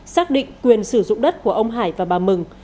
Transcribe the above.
xác định quyền sử dụng đất của ông hải và bà mừng